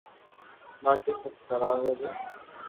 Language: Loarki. باقي سب ڪوواريو ھو